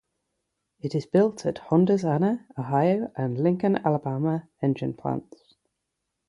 It is built at Honda's Anna, Ohio and Lincoln, Alabama engine plants.